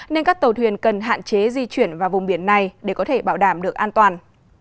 nên các tàu thuyền cần hạn chế di chuyển vào vùng biển này để có thể bảo đảm được an toàn